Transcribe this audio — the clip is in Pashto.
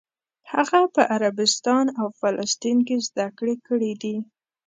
هغه په عربستان او فلسطین کې زده کړې کړې دي.